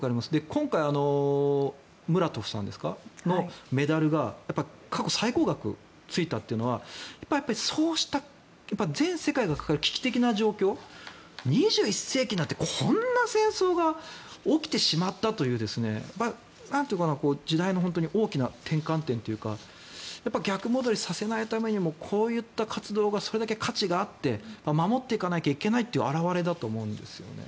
今回、ムラトフさんのメダルが過去最高額ついたというのはやっぱり、そうした全世界が抱える危機的な状況２１世紀になって、こんな戦争が起きてしまったという時代の大きな転換点というか逆戻りさせないためにもこういった活動がそれだけ価値があって守っていかなきゃいけないって表れだと思うんですよね。